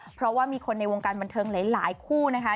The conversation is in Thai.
เพราะว่ามีคนในวงการบันเทิงหลายคู่นะคะ